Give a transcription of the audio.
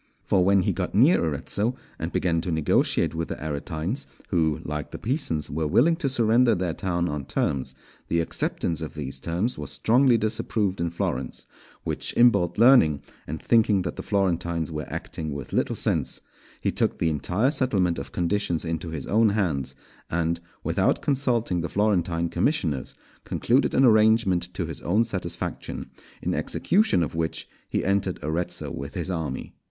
For when he got near Arezzo, and began to negotiate with the Aretines, who, like the Pisans, were willing to surrender their town on terms, the acceptance of these terms was strongly disapproved in Florence; which Imbalt learning, and thinking that the Florentines were acting with little sense, he took the entire settlement of conditions into his own hands, and, without consulting the Florentine commissioners, concluded an arrangement to his own satisfaction, in execution of which he entered Arezzo with his army.